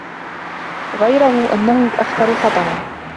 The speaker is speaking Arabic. غَيْرَ أَنَّهُ أَكْثَرُ خَطَرًا